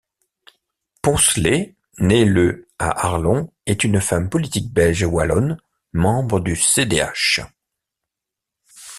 Poncelet, née le à Arlon est une femme politique belge wallonne, membre du CdH.